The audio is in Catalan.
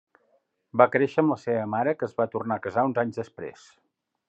Va créixer amb la seva mare, que es va tornar a casar uns anys després.